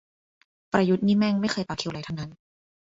ประยุทธ์นี่แม่งไม่เคยต่อคิวอะไรทั้งนั้น